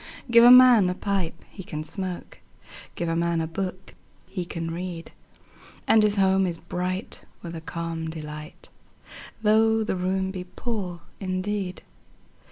Give a man a pipe he can smoke, 5 Give a man a book he can read: And his home is bright with a calm delight, Though the room be poor indeed.